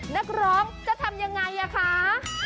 นักร้องจะทำยังไงอ่ะคะ